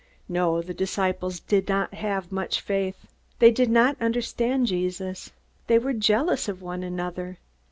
No, the disciples did not have much faith. They did not understand Jesus. They were jealous of one another.